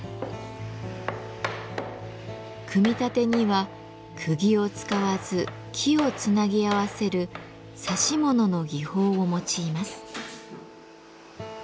組み立てにはくぎを使わず木をつなぎ合わせる指し物の技法を用います。